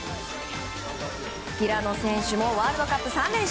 平野選手もワールドカップ３連勝。